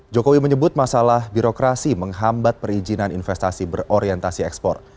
jokowi menyebut masalah birokrasi menghambat perizinan investasi berorientasi ekspor